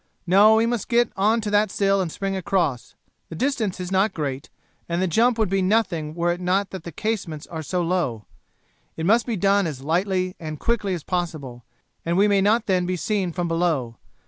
No, we must get on to the sill and spring across; the distance is not great, and the jump would be nothing were it not that the casements are so low. It must be done as lightly and quickly as possible, and we may not then be seen from below.